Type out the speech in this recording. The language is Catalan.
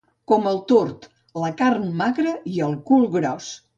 Com el tord, la carn magra i el cul gros.